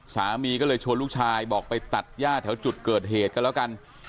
สามีก็เลยชวนลูกชายบอกไปตัดย่าแถวจุดเกิดเหตุกันแล้วกัน